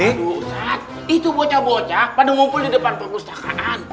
aduh saat itu bocah bocah pada ngumpul di depan perpustakaan